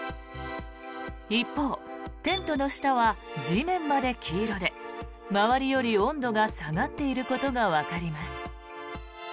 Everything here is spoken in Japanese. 一方、テントの下は地面まで黄色で周りより温度が下がっていることがわかります。